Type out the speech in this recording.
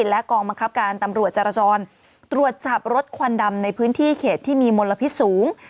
และกองบังคับการตำรวจจรจรตรวจจับรถควันดำในพื้นที่เขตที่มีมลพิษสูง